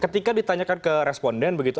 ketika ditanyakan ke responden begitu